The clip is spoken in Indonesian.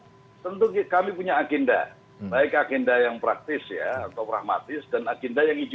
ya komunikasi dan silaturahmi tentu kami punya agenda baik agenda yang praktis atau pragmatis dan agenda yang ideologis